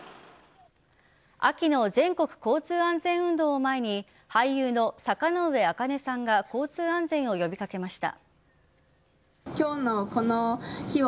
秋の全国交通安全運動を前に俳優の坂ノ上茜さんが交通安全を呼び掛けました。